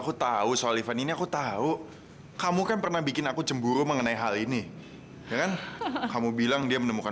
kita bicara lagi pernikahan anak anak kita kan